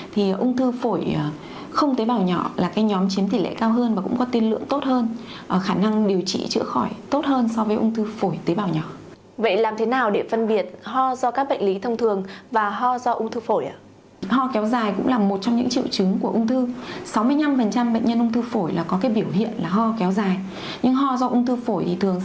thì ung thư phổi không tế bào nhỏ là cái nhóm chiếm tỷ lệ cao hơn và cũng có tiên lượng tốt hơn